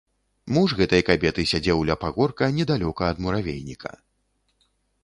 Муж гэтай кабеты сядзеў ля пагорка недалёка ад муравейніка.